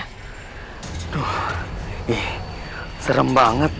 aduh ih serem banget